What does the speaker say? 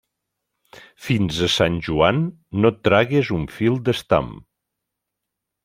Fins a Sant Joan, no et tragues un fil d'estam.